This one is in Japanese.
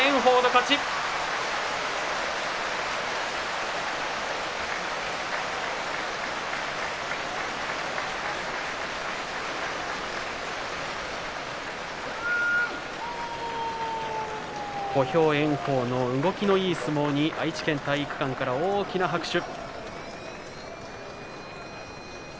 拍手小兵炎鵬の動きのいい相撲に愛知県体育館から大きな拍手。